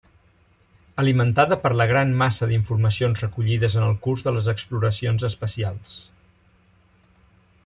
Alimentada per la gran massa d'informacions recollides en el curs de les exploracions espacials.